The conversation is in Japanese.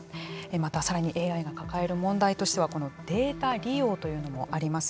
また、さらにＡＩが抱える問題としてはこのデータ利用というのもあります。